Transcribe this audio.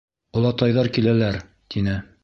Олатайҙар киләләр, — тине.